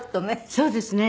そうですね。